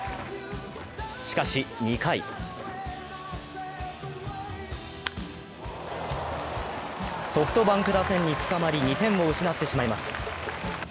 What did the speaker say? しかし、２回ソフトバンク打線につかまり２点を失ってしまいます。